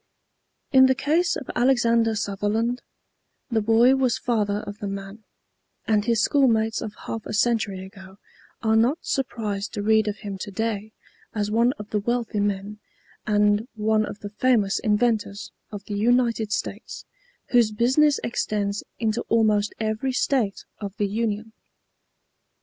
In the case of Alexander Sutherland, the boy was father of the man, and his schoolmates of half a century ago are not surprised to read of him to day as one of the wealthy men, and one of the famous inventors, of the United States, whose business extends into almost every State of the Union.